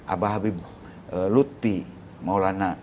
abah habib lutfi maulana